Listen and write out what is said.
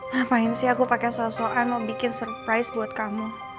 ngapain sih aku pakai soan mau bikin surprise buat kamu